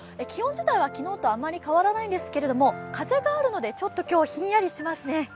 気温自体は昨日とあまり変わらないんですけれども風があるので、ちょっと今日ひんやりしますね。